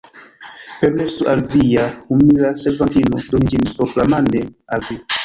Permesu al via humila servantino doni ĝin propramane al vi.